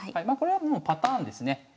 まあこれはもうパターンですね。